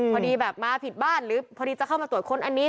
พอดีแบบมาผิดบ้านหรือพอดีจะเข้ามาตรวจค้นอันนี้